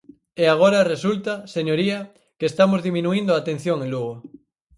E agora resulta, señoría, que estamos diminuíndo a atención en Lugo.